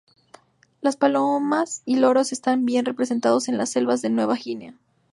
Las palomas y loros están bien representados en las selvas de Nueva Guinea.